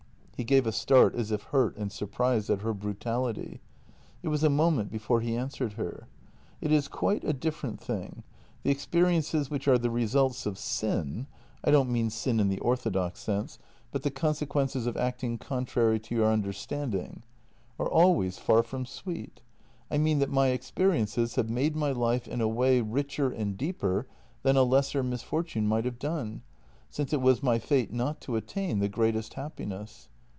" He gave a start as if hurt and surprised at her brutality; it was a moment before he answered her: " It is quite a different thing. The experiences which are the results of sin — I don't mean sin in the orthodox sense, but JENNY 184 the consequences of acting contrary to your understanding — are always far from sweet. I mean that my experiences have made my life in a way richer and deeper than a lesser mis fortune might have done — since it was my fate not to attain the greatest happiness.